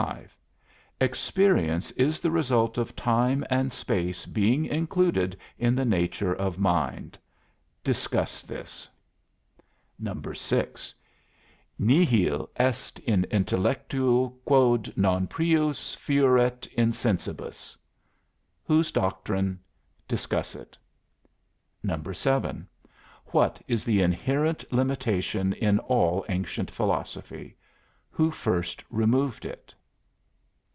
Experience is the result of time and space being included in the nature of mind. Discuss this. 6. Nihil est in intellectu quod non prius fuerit in sensibus. Whose doctrine? Discuss it. 7. What is the inherent limitation in all ancient philosophy? Who first removed it?